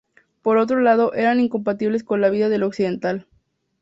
Por otro lado eran incompatibles con la vida del occidental.